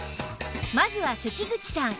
まずは関口さん